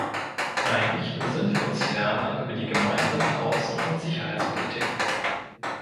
Einig sind wir uns ferner über die Gemeinsame Außen- und Sicherheitspolitik.